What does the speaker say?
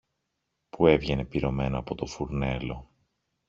που έβγαινε πυρωμένο από το φουρνέλο.